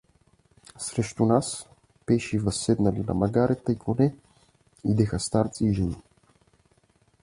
Срещу нас, пеши и възседнали на магарета и коне, идеха старци и жени.